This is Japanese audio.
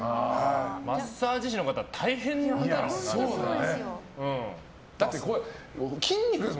マッサージ師の方大変じゃないですか。